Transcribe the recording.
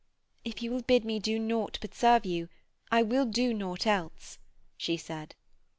'If you will bid me do naught but serve you, I will do naught else,' she said.